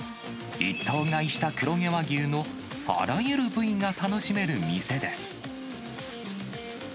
一頭買いした黒毛和牛のあらゆる部位が楽しめる店です。